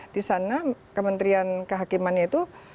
di sana kementerian kehakimannya itu